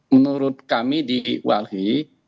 menurut kami di walhi